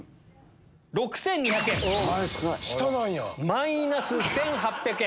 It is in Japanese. マイナス１８００円。